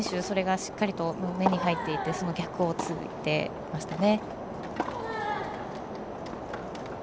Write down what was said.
しっかりと目に入っていてその逆をついてましたね。